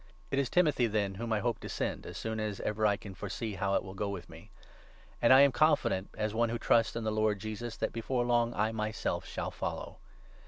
It is Timothy, then, 23 whom I hope to send, as soon as ever I can foresee how it will go with me. And I am confident, as one who trusts in the 24 Lord Jesus, that before long I myself shall follow.